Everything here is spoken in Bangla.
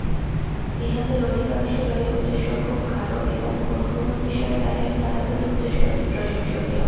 ইঁহাদের অধিকাংশেরই উদ্দেশ্য খুব ভাল এবং কোন কোন বিষয়ে তাঁহাদের উদ্দেশ্য অতি প্রশংসনীয়।